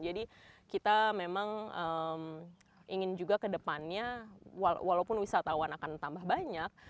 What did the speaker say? jadi kita memang ingin juga kedepannya walaupun wisatawan akan tambah banyak